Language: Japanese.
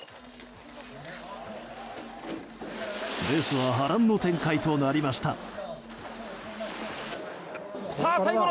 レースは波乱の展開となりました。